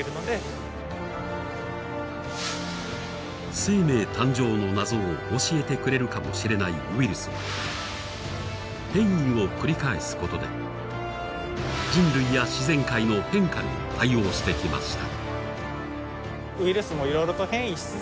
生命誕生の謎を教えてくれるかもしれないウイルスは、変異を繰り返すことで人類や自然界の変化に対応してきました。